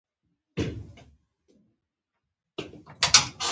طالبان هم باید د تیر تاریخ نه عبرت واخلي